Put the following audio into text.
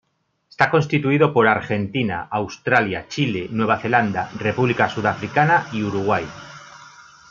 Está constituido por Argentina, Australia, Chile, Nueva Zelanda, República Sudafricana y Uruguay.